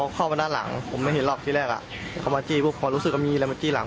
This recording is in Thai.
กำลังถูกพื้นอยู่อีกดีเสร็จแล้วเขาเข้ามาด้านหลัง